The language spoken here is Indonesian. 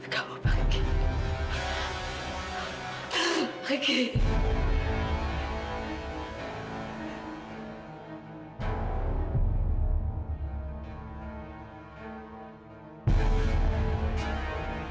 kamu pergi sekarang